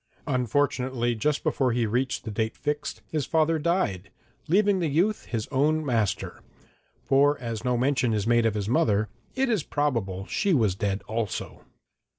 Unfortunately, just before he reached the date fixed, his father died, leaving the youth his own master for as no mention is made of his mother, it is probable she was dead also.